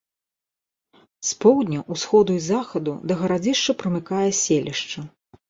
З поўдня, усходу і захаду да гарадзішча прымыкае селішча.